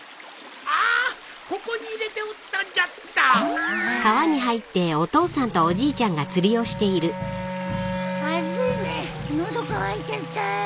あここに入れておったんじゃった。暑いね喉渇いちゃったよ。